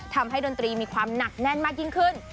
ดนตรีมีความหนักแน่นมากยิ่งขึ้น